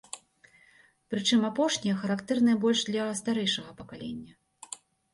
Прычым апошнія характэрныя больш для старэйшага пакалення.